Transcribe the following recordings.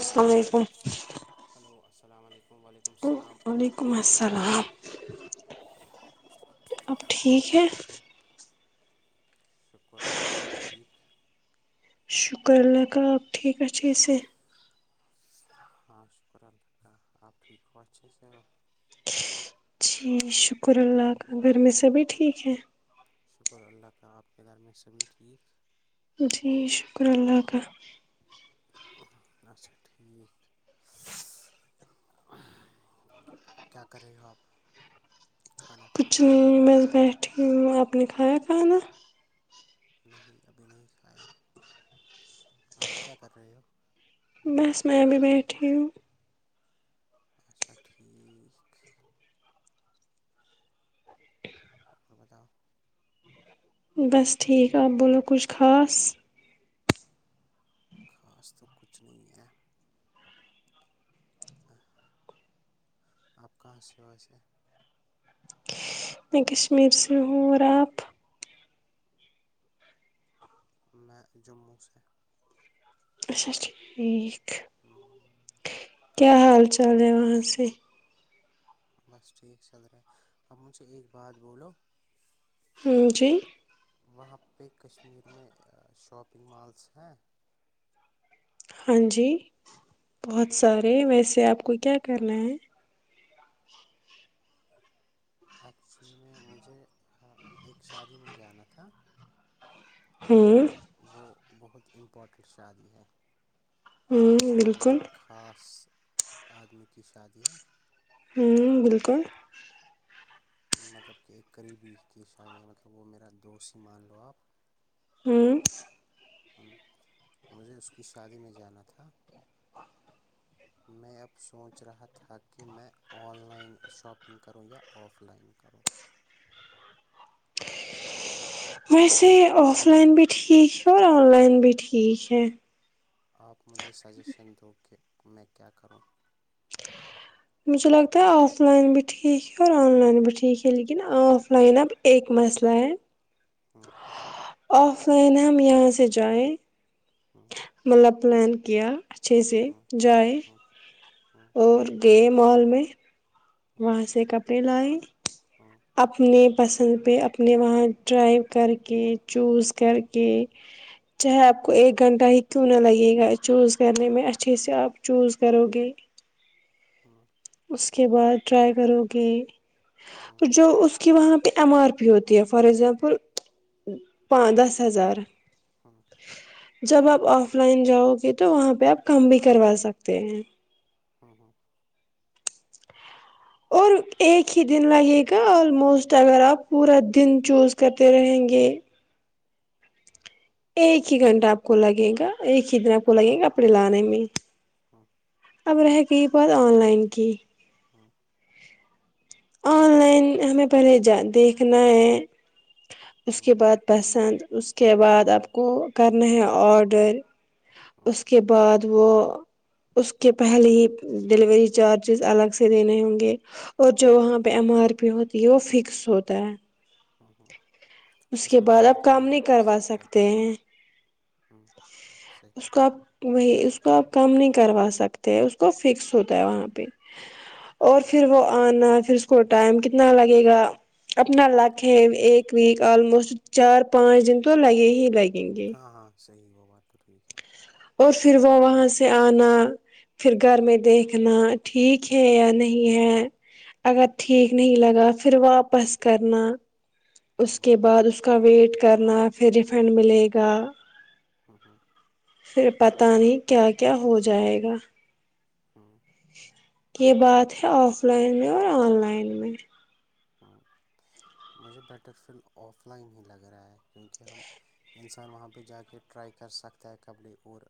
السلام علیکم ہیلو السلا علیکم و علیکم و علیکم السلام اب ٹھیک ہے آپ ہو شکر آپ ٹھیک شکر اللہ کا آپ ٹھیک ہے اچھے سے ہاں شکر اللہ کا آپ ٹھیک ہو اچھے سے ہو جی شکر اللہ کا گھر میں سبھی ٹھیک ہیں شکر اللہ کا آپ کے گھر میں سبھی ٹھیک جی شکر اللہ کا اچھا ٹھیک کیا کرے ہو آپ کھانا کچھ کھایا میں بیٹھی ہوں اپ نے کھایا کھانا نہیں ابھی نہیں کھایا آپ کیا کر رہے ہو بس میں بھی بیٹھی ہوں اچھا ٹھیک آپکا بتاؤ بس ٹھیک آپ بولو کچھ خاص خاص تو کچھ نہیں ہے ہ آپ کہاں سےہو ویسے میں کشمیر سے ہو اور آپ میں جموں سے اچھا ٹھیک ہمم کیا حال چال ہے وہاں سے بس ٹھیک چل رہے اب مجھے ایک بات بولو ہاں جی وہاں پہ کشمیر میں شاپنگ مالس ہیں ہاں جی بہت سارے ویسے آپ کو کیا کرنا ہے ایکچولی میں مجھے ایک شادی میں جانا تھا ہمم وہ بہت امپورٹنٹ شادی ہے ہوں وہ بالکل ایک خاص آدمی کی شادی ہے ہمم بالکل مطلب کہ ایک قریبی کی شادی مطلب وہ میرا دوست ہی مان لو آپ ہمم مجھے اس کی شادی میں جانا تھا میں اب سوچ رہا تھا کہ میں آن لائن شاپنگ کروں یا آف لائن کروں ویسے آف لائن بھی ٹھیک ہے اور آن لائن بھی ٹھیک ہے آپ مجھے سجیشن دو کہ میں کیا کروں مجھے لگتا ہے آف لائن بھی ٹھیک ہے اور آن لائن بھی ٹھیک ہے لیکن آف لائن اب ایک مسئلہ ہے ہوں آف لائن ہم یہاں سے جائیں ہمم مطلب پلان کیا اچھے سے ہوں جائے ہوں ہوں اور گئے مال میں وہاں سے کپڑے لائے ہاں اپنے پسند پہ اپنے وہاں ٹرائی کر کے چوز کر کے [inaudible] چاہے آپ کو ایک گھنٹہ ہی کیوں نہ لگے گا چوز کرنے میں اچھے سے آپ چوز کرو گے ہاں اس کے بعد ٹرائی کرو گے جو اس کہ وہاں پہ ایم آر پی ہوتی ہے فار ایگزامپل دس ہزار ہاں جب آپ آف لائن جاؤ گے تو وہاں پہ آپ کم بھی کروا سکتے ہیں ہاں ہاں اور ایک ہی دن لگے گا آلموسٹ اگر آپ پورا دن چوز کرتے رہیں گے ایک ہی گھنٹہ آپ کو لگے گا ایک ہی دن آپ کو لگیں گا کپڑے لانے میں [unintelligible] اب رہگیی بات آن لائن کی ہمم آن لائن ہمیں پہلےجا دیکھنا ہے اس کے بعد پسند اس کے بعد آپ کو کرنا ہے آڈر اسکے بعد وہ اس کے پہلے ہی ڈیلیوری چارجز الگ سے دینے ہوں گے اور جو وہاں پہ ایم آر پی ہوتی ہے وہ فکس ہوتا ہے ہاں ہاں اس کے بعد آپ کام نہیں کروا سکتے ہیں ہاں سہی اس کو آپ وہی اس کو آپ کم نہیں کروا سکتے ہیں اس کو فکس ہوتا ہے وہاں پہ اور پھر ٹھیک وہ آنا پھر اس کو ٹائم کتنا لگے گا اپنا لک ایک ویک آلموسٹ چار پانچ دن تو لگے ہی لگیں گے ہاں ہاں صحیح وہ بات تو ٹھیک ہے اور پھر وہ وہاں سے آنا پھر گھر میں دیکھنا ٹھیک ہے یا نہیں ہے اگر ٹھیک نہیں لگا پھر واپس کرنا ہوں اس ہوں کے بعد اس کا ویٹ کرنا پھر ریفنڈ ملے گا ہاں ہاں پھر پتا نہیں کیا کیا ہو جائے گا ہاں یہ بات ہے آف لائن میں اور آن لائن میں ہاں مجھے بیٹر فیل آف لائن ہی لگ رہا ہے کیونکہ ہم انسان وہاں پہ جا کے ٹرائی کر سکتا ہے کپڑے اور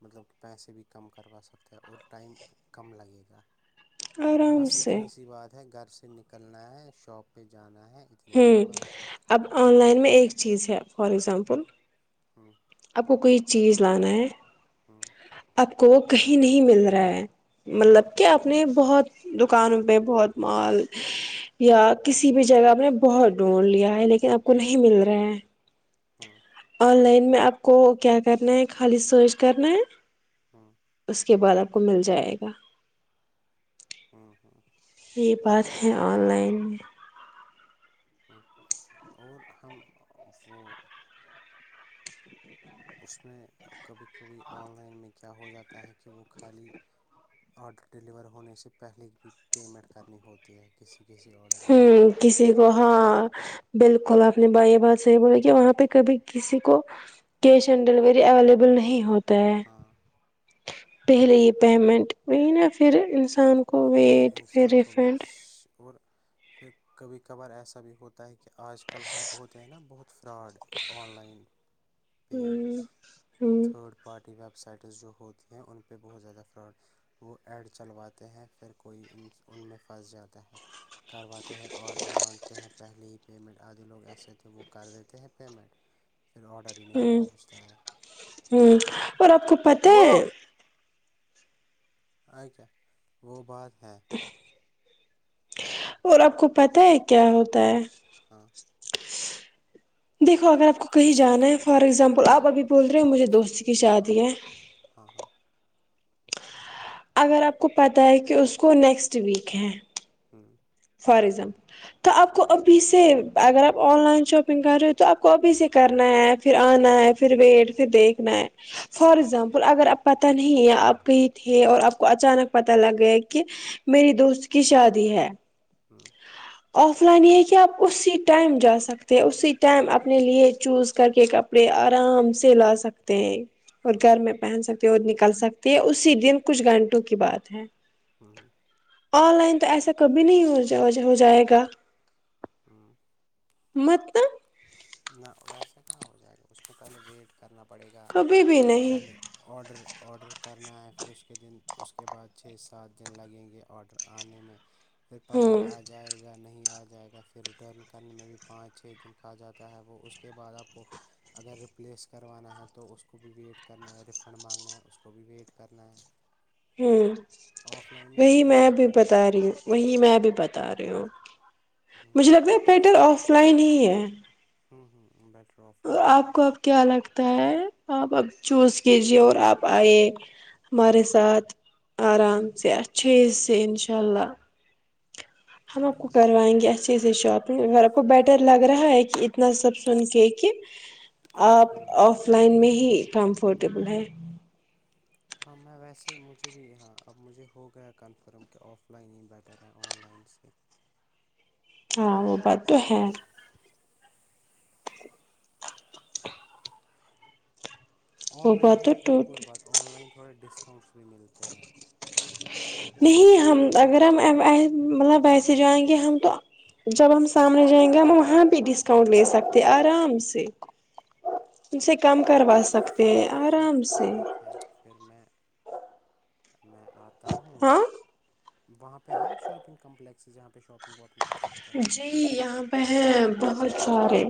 مطلب کہ پیسے بھی کم کروا سکتے ہیں اور ٹائم بھی کم لگے گا آرام بس سے اتنی سی بات ہے گھر سے نکلنا ہے شاپ پہ جانا ہے اتنی ھم سی بات ہے اب آن لائن میں ایک چیز ہے فار اگزامپل ہاں آپ کو کوئی چیز لانا ہے ہاں آپ کو کہیں نہیں مل رہا ہے ہوں مطلب کہ آپ نے بہت دکانوں پہ بہت مال یا کسی بھی جگہ آپ نے بہت ڈھونڈ لیا ہے لیکن آپ کو نہیں مل رہا ہاں آن لائن میں آپ کو کیا کرنا ہے خالی سرچ کرنا ہے ہاں اس کے بعد آپ کو مل جائے گا ہاں ہاں یہ بات ہے آن لائن میں اور ہم وہ اس میں کبھی کبھی آن لائن میں کیا ہو جاتا ہے کہ وہ خالی آڈر ڈلیور ہونے سے پہلے بھی پیمنٹ کرنی ہوتی ہے کسی کسی آڈر میں ہوں کسی کو ہاں بلکل آپ نے با یہ بات صحیح بولی کہ وہاں پہ کبھی کسی کو کیش آن ڈیلیوری اویلیبل نہیں ہو ہے ہاں پہلے یہ پیمنٹ وہی نہ پھر انسان کو پھر ویٹ انسان کو بھی ریفنڈ اشش اور پھر کبھی کبھار ایسا بھی ہوتا ہے کہ آج کل ہے وہ تو ہے نا بہت فراڈ آن لائن پے ہوں تھرڈ پارٹی ویب سائٹس جو ہوتی ہیں ان پہ بہت زیادہ فراڈ وہ ایڈ چلواتے ہیں پھر کوئی ان میں پھنس جاتا ہے کرواتے ہیں آڈر مانگتے ہیں پہلی پیمنٹ آدھے لوگ ایسے تھے وہ کر دیتے ہیں پیمنٹ پھر آرڈر نہیں ہوں پہنچتا ہے اور آپ کو پتہ ہو ہے آ کیا وہ بات ہے اور آپ کو پتا ہے کیا ہوتا ہے ہاں دیکھو اگر آپ کو کہیں جانا ہے فار ایکزامپل آپ ابھی بول رہے ہو مجھے دوست کی شادی ہے ہاں ہاں اگر آپ کو پتہ ہے کہ اس کو نیکسٹ ویک ہے ہاں فار ایکزامپل تو آپ کو ابھی سے اگر آپ آن لائن شاپنگ کر رہے ہو تو آپ کو ابھی سے کرنا ہے ایپ پھر آنا ہے پھر ویٹ پھر دیکھنا ہے فار ہوں ایکزامپل اگر آپ پتہ نہیں ہے آپ کہیں تھے اور آپ کو اچانک پتا لگ گیا کہ میری دوست کی شادی ہے ہمم آف لائن یہ ہے کہ آپ اسی ٹائم جا سکتے ہیں اسی ٹائم اپنے لیے چوز کر کے کپ ڑے آرام سے لا سکتے ہیں اور ہوں گھر میں پہن سکتے اور نکل سکتے ہے اسی دن کچھ گھنٹوں کی بات ہے ہاں آن لائن تو ایسا کبھی نہیں ہو جائے گا ہاں مت نہ ویسے کہ ہو جائے گا اس پہ پہلے ویٹ کرنا پڑے گا کبھی بھی نہیں چلے آڈر آڈر کرنا ہے پھر اس کے دن اس کے بعد چھ سات دن لگیں گے آڈر آنے میں پھر پسند ہوں آ جائے گا نہیں آ جائے گا پھر ریٹرن کرنے میں بھی پانچ چھ دن کہا جا تا ہے وہ اس کے بعد آپ کو اگر ریپلیس کروانا ہے تو اس کو بھی ویٹ کرنا ہے ریفنڈ مانگنا ہے اس کو بھی ویٹ کرنا ہے ہوں آف لائن یہ وہی میں جھنجھٹ بھی نہیں بتا ہے رہی ہوں وہی میں بھی بتا رہی ہوں ہوں مجھے لگتا ہے یہ پیٹر آف لائن ہی ہے ہوں ہوں بیٹ آپ کو اب کیا لگتا ہے آپ اب چوز کیجیے اور آپ آئیے ہمارے ساتھ آرام سے اچھے سے انشاءاللہ ہم آپ کو ٹھیک ہے کروائیں گے اچھے سے شاپنگ آپ کو بیٹر لگ رہا ہے کہ اتنا سب سن کے کہ آپ ہوں ہوں آف لائن میں ہی کمفرٹیبل ہیں ہاں میں ویسے مجھے بھی ہاں اب مجھے ہو گیا کنفرم کہ آف لائن ہی بیٹر میں آن لائن سے ہاں وہ بات تو ہے وہ آن لائن بات ہے تو نا ایک اور ٹوٹ بات آن لائن تھوڑے ڈسکاؤنٹس بھی ملتے ہیں نہیں ہم اگر ہم مطلب ایسے جائیں گے ہم تو جب ہم سامنے جائیں گے ہم وہاں پہ ڈسکاؤنٹ لے سکتے آرام سے اس سے کم کروا سکت پھر ٹھیک ہے پھر میں میں آ ہوں ہاں وہاں پہ ہے شاپنگ کمپلیکس جہاں پہ شاپنگ واپنگ کر سک جی یہاں پھلے بہت سارے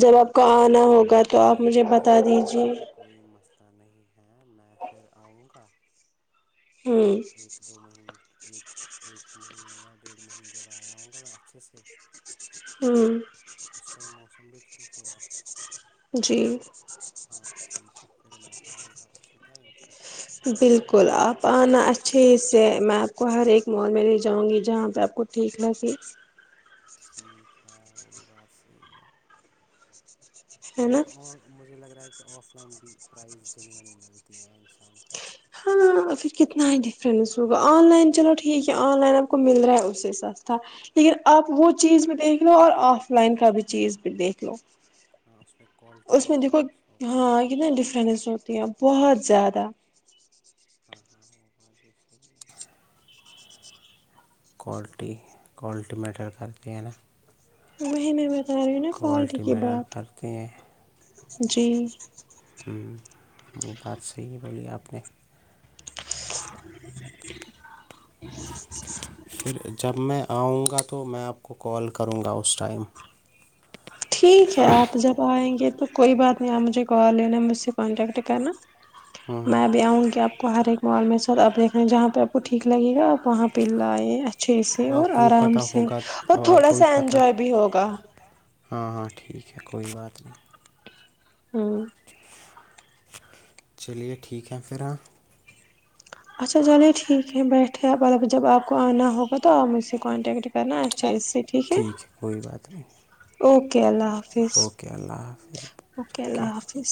جب آپ کو آنا ہوگا تو آپ پھر مجھے بتا ٹھیک ہے دیجیے پھر کوئی مسئلہ نہیں ہے میں پھر آؤں گا ہوں ایک دو مہینے ایک ایک مہینے یا ڈیڑھ مہینے کے بعد آؤں گا میں اچھے سے ہاں اس ٹائم موسم بھی ٹھیک ہوگا جی ہاں ٹھیک ہے پھر میں آؤں گا اسی ٹائم بالکل اپ انا اچھے سے میں اپ کو ہر ایک مول میں لے جاؤں گی جہاں پہ اپ کو ٹھیک لگا ٹھیک ہے وہ بھی بات ساہی ہے ہے اور نا آ مجھے لگ رہا ہے کہ آف لائن بھی پرائز جینیونی ملتی ہے انسان کو ہاں پھر کتنا ہی ڈفرینس ہوگا آن لائن چلو ٹھیک ہے آن لائن آپ کو مل رہا ہے اس سے سستا پھر آپ وہ چیز بھی دیکھ لو اور آف لائن کا بھی چیز بھی دیکھ لو ہاں اس پہ کال اس میں دیکھو ہاں اتنا ڈفرینس ہوتی ہیں بہت زیادہ ہاں ہاں وہ بات بھی صحیح ہے کوالٹی کوالٹی میٹر کرتی ہے نا وہی میں بتا رہی ہوں نا کوالٹی کی میٹر بات کرتے ہیں جی ہوں وہ بات صحیح بولی اپ نے پھر جب میں آؤں گا تو میں آپ کو کال کروں گا اس ٹائم ٹھیک ہے آپ جب آئیں گے تو کوئی بات نہیں آپ مجھے کال لینا مجھ سے کانٹیکٹ کرنا میں ابھی آؤں گی آپ کو ہر ایک محال میں سر آپ دیکھنا جہاں پہ آپ کو ٹھیک لگے گا آپ وہاں پہ لائے اچھے سے اب آپ اور کو بھی آرام پتہ سے ہوگا اور اب آپ تھوڑا کو بھی سا پتہ انجوائے بھی ہوگا ہاں ہاں ٹھیک ہے کوئی بات نہیں ہاں چلیے ٹھیک ہے پھر اپ اچھا چلیے ٹھیک ہے بیٹھے مطلب جب آپ کو آنا ہوگا تو آپ مجھ سے کانٹیکٹ کرنا اچھا سے ٹھیک ہے کوئی بات نہیں اوکے اللہ حافظ اوکے اللہ حافظ اوکے ٹیک اللہ کیئر حافظ